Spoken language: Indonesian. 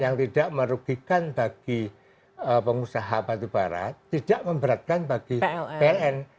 yang tidak merugikan bagi pengusaha batubara tidak memberatkan bagi pln